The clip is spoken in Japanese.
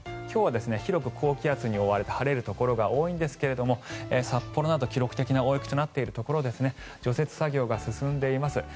今日は広く高気圧に覆われて晴れるところが多いんですが札幌など記録的な大雪となっているところ除雪作業が進んでいます。